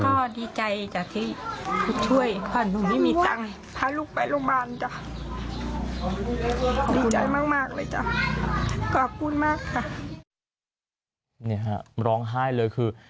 นี่ฮะร้องไห้เลยคือ